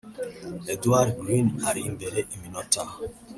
Edward Greene ari imbere iminota '